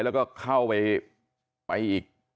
แล้วก็เข้าไปไปอีก